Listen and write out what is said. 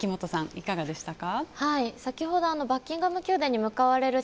いかがでしたか？